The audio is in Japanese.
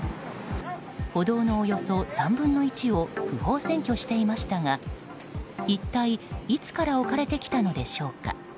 歩道のおよそ３分の１を不法占拠していましたが一体いつから置かれてきたのでしょうか。